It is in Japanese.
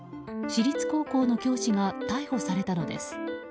私立高校の教師が逮捕されたのです。